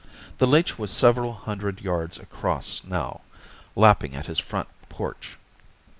The leech was several hundred yards across now, lapping at his front porch.